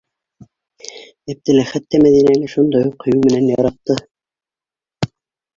Әптеләхәт тә Мәҙинәне шундай уҡ һөйөү менән яратты.